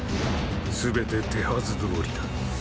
⁉全て手はずどおりだ。